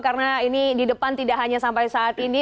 karena ini di depan tidak hanya sampai saat ini